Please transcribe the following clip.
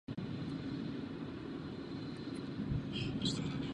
A ode dneška budeme rozhodovat.